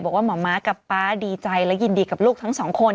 บอกว่าหมอม้ากับป๊าดีใจและยินดีกับลูกทั้งสองคน